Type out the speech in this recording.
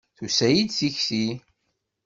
Tusa-yi-d tikti.